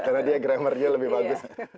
karena dia grammarnya lebih bagus